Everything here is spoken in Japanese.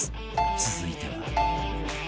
続いては